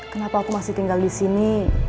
kenapa aku masih tinggal disini